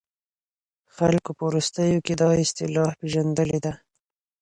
خلګو په وروستيو کې دا اصطلاح پېژندلې ده.